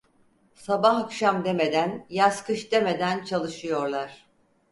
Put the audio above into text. Sabah akşam demeden, yaz kış demeden çalışıyorlar.